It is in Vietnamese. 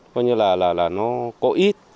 coi như là nó có ít